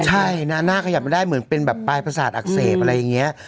ใช่หน้าขยับไม่ได้เหมือนเป็นแบบปลายประสาทอักเสบอะไรอย่างนี้